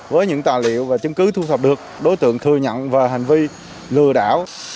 với những tài liệu và chứng cứ thu thập được đối tượng thừa nhận về hành vi lừa đảo